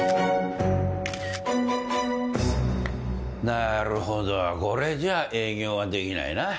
なるほどこれじゃあ営業はできないな。